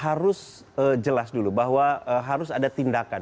harus jelas dulu bahwa harus ada tindakan